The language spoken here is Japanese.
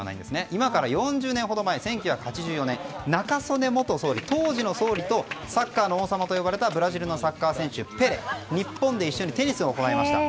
今から４０年ほど前、１９８４年中曽根元総理、当時の総理とサッカーの王様と言われたブラジルのサッカー選手、ペレと日本で一緒にテニスを行いました。